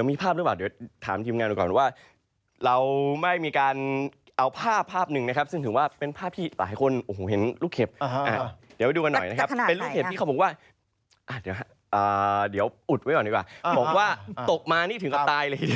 ผมมีภาพลูกเห็บที่เขาบอกว่าลูกเห็บใหญ่ที่สุด